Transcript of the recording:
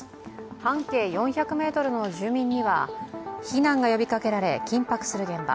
半径４００ｍの住民には避難が呼びかけられ緊迫する現場。